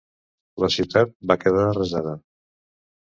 La ciutat va quedar arrasada.